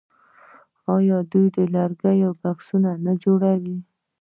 آیا دوی د لرګیو بکسونه نه جوړوي؟